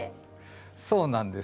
そうなんです。